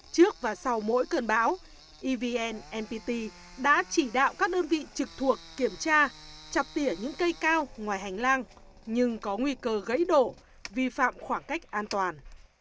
trước và sau mỗi cơn bão evn npt đã chỉ đạo các đơn vị trực thuộc kiểm tra chập tỉa những cây cao ngoài hành lang nhưng có nguy cơ gãy đổ vi phạm khoảng cách an toàn